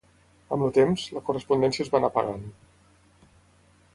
Amb el temps, la correspondència es va anar apagant.